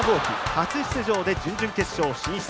初出場で準々決勝進出。